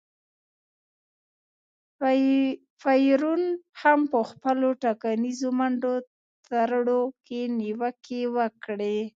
پېرون هم په خپلو ټاکنیزو منډو ترړو کې نیوکې وکړې.